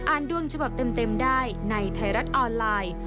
อ่านดวงเฉพาะเต็มได้ในไทรัฐออนไลน์